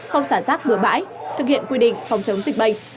không xả rác bừa bãi thực hiện quy định phòng chống dịch bệnh